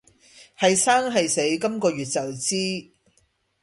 係生係死今個月就知